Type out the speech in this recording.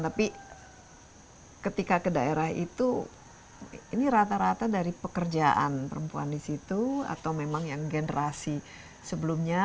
tapi ketika ke daerah itu ini rata rata dari pekerjaan perempuan di situ atau memang yang generasi sebelumnya